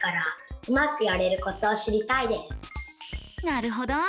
なるほど。